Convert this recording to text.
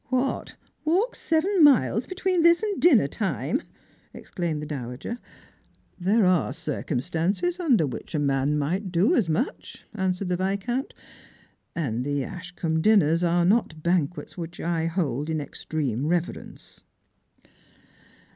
"What, walk seven miles between this and dinner time!" fKclaimed the dowager. •'There are circumstances under which a man might do as Strangers and Pilgrimt. 97 much," answered the Viscount; "and the Ashcombe dinnerg are not banquets which I hold in extreme reverence."